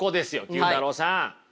９太郎さん。